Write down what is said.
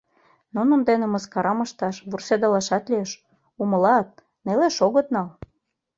Нунын дене мыскарам ышташ, вурседылашат лиеш — умылат, нелеш огыт нал.